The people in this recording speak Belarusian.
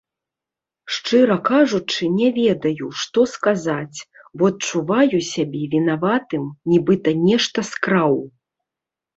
Шчыра кажучы, не ведаю, што сказаць, бо адчуваю сябе вінаватым, нібыта нешта скраў.